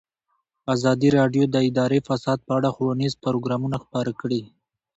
ازادي راډیو د اداري فساد په اړه ښوونیز پروګرامونه خپاره کړي.